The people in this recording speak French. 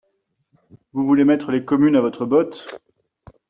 Vous voulez mettre les communes à votre botte.